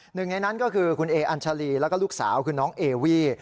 หนึ่งในนั้นก็คือคุณเออัญชาลีแล้วก็ลูกสาวคือน้องเอวี่